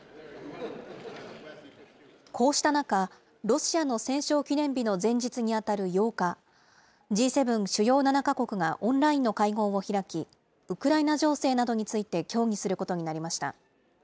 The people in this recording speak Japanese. こうした中、ロシアの戦勝記念日の前日に当たる８日、Ｇ７・主要７か国がオンラインの会合を開き、ウクライナ情勢などについて協議することになりました。